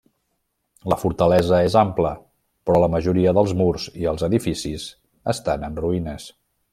La fortalesa és ampla, però la majoria dels murs i els edificis estan en ruïnes.